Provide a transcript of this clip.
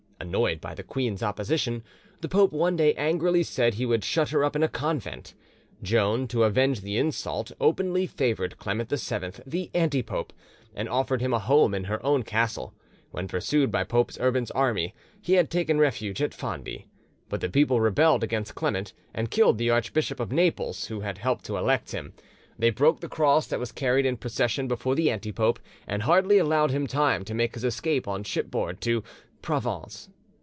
Annoyed by the queen's opposition, the pope one day angrily said he would shut her up in a convent. Joan, to avenge the insult, openly favoured Clement VII, the anti pope, and offered him a home in her own castle, when, pursued by Pope Urban's army, he had taken refuge at Fondi. But the people rebelled against Clement, and killed the Archbishop of Naples, who had helped to elect him: they broke the cross that was carried in procession before the anti pope, and hardly allowed him time to make his escape on shipboard to Provence.